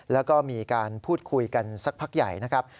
แล้วก็มีการพูดคุยกันสักพักใหญ่นะครับ